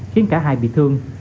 khiến cả hai bị thương